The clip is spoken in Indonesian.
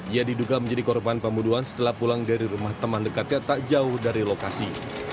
ia diduga menjadi korban pembunuhan setelah pulang dari rumah teman dekatnya tak jauh dari lokasi